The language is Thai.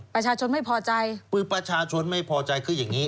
ประชาชนไม่พอใจคือประชาชนไม่พอใจคืออย่างนี้